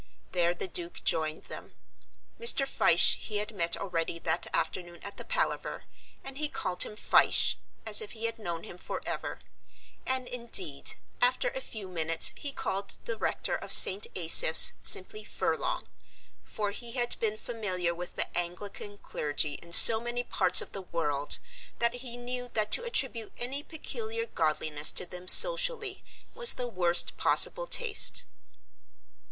There the Duke joined them. Mr. Fyshe he had met already that afternoon at the Palaver, and he called him "Fyshe" as if he had known him forever; and indeed, after a few minutes he called the rector of St. Asaph's simply "Furlong," for he had been familiar with the Anglican clergy in so many parts of the world that he knew that to attribute any peculiar godliness to them, socially, was the worst possible taste.